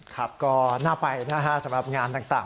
ครับก็น่าไปนะฮะสำหรับงานต่าง